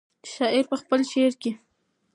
شاعر په خپل شعر کې.